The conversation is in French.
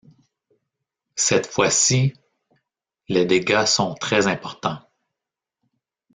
Cette fois-ci, les dégâts sont très importants.